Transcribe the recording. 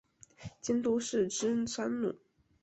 监督是芝山努。